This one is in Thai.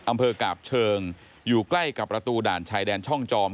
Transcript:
อำเภอกาบเชิงอยู่ใกล้กับประตูด่านชายแดนช่องจอม